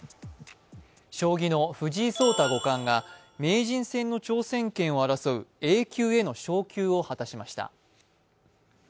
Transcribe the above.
将棋の藤井聡太五冠が名人戦の挑戦権を争うＡ級への昇級を果たしました。